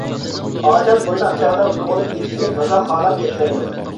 ئادەم بۇنداق چاغدا ئويغىنىپ كېتىشنى تازا خالاپ كەتمەيدۇ.